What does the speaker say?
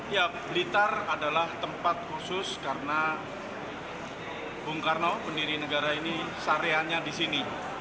ya blitar adalah tempat khusus karena bung karno pendiri negara ini syariahnya di sini